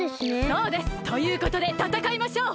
そうです！ということでたたかいましょう！